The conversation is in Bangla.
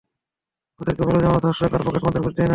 ওদেরকে বলো যে আমরা ধর্ষক আর পকেটমারদের ঘুষ দেই না।